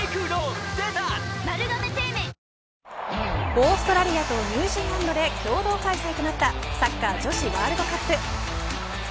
オーストラリアとニュージーランドで共同開催となったサッカー女子ワールドカップ。